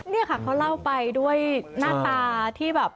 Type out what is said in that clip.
นี่ค่ะเขาเล่าไปด้วยหน้าตาที่แบบ